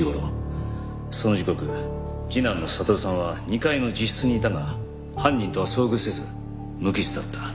その時刻次男の悟さんは２階の自室にいたが犯人とは遭遇せず無傷だった。